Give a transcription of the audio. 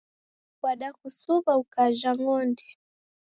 Wadakusuw'a ukajha ng'ondi.